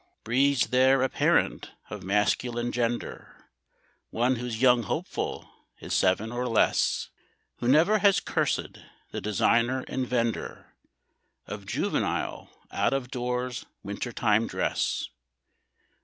Breathes there a parent of masculine gender, One whose young hopeful is seven or less, Who never has cursed the designer and vender Of juvenile out of doors winter time dress?